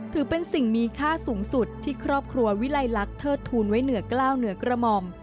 ถือเป็นสิ่งมีค่าสูงสุดที่ครอบครัววิลัยลักษณ์เทิดทูลไว้เหนือกล้าวเหนือกระหม่อม